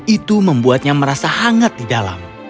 itu membuatnya merasa hangat di dalam